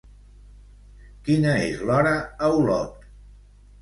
Quina és l'hora a Olot?